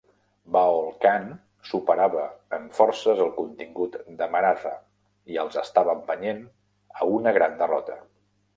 Bahlol Khan superava en forces el contingent de Maratha i els estava empenyent a una gran derrota.